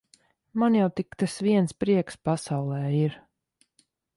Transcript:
Man jau tik tas viens prieks pasaulē ir.